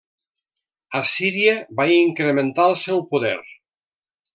Assíria va incrementant el seu poder.